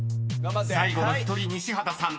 ［最後の１人西畑さん